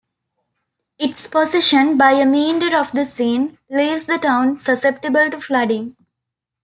Its position by a meander of the Seine leaves the town susceptible to flooding.